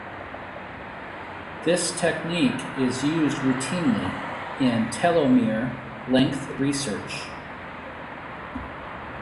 This technique is used routinely in telomere length research.